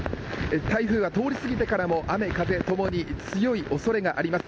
台風が通り過ぎてからも雨風ともに強い恐れがあります。